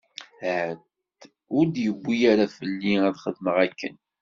Ahat ur d-yewwi ara fell-i ad xedmeɣ akken.